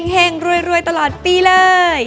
แห่งรวยตลอดปีเลย